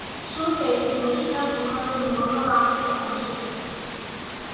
শুরুতে এটি মিশিগান ভূখণ্ডের মনরো কাউন্টির অংশ ছিল।